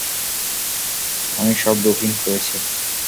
আমি সব বুকিং করেছি।